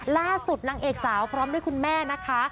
นางเอกสาวพร้อมด้วยคุณแม่นะคะ